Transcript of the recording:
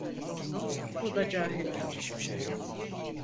Bu da cahillik.